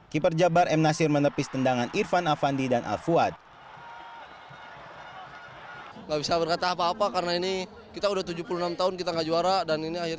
keeper jabar m nasir menepis tendangan irfan afandi dan alfuad